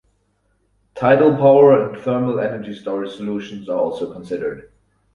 Tidal power and Thermal energy storage solutions are also considered.